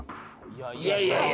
いやいやいやいや。